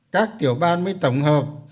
các tiểu ban mới tổng hợp